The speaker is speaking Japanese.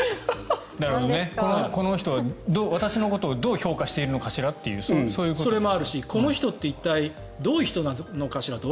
この人は私のことをどう評価しているのかしらというそれもあるしこの人って一体どういう人なのかしらと。